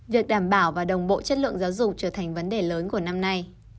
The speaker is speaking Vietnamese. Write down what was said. việc đảm bảo và đồng bộ chất lượng giáo dục trở thành vấn đề lớn của năm nay